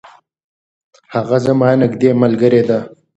هغه زما نږدې ملګرې ده.